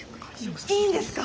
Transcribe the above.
いいんですか？